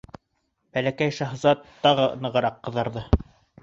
Бәләкәй шаһзат тағы нығыраҡ ҡыҙарҙы.